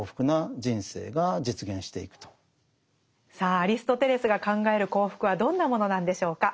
さあアリストテレスが考える幸福はどんなものなんでしょうか？